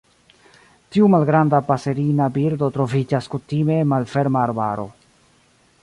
Tiu malgranda paserina birdo troviĝas kutime en malferma arbaro.